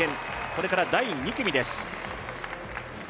これから第２組です。